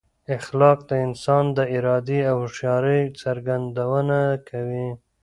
اخلاق د انسان د ارادې او هوښیارۍ څرګندونه کوي.